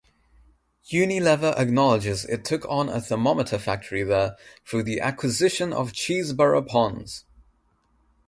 Unilever acknowledges it took on a thermometer factory there through the acquisition of Chesebrough-Ponds.